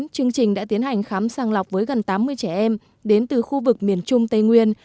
chương trình đã tiến hành khám sàng lọc với gần tám mươi trẻ em đến từ khu vực miền trung tây nguyên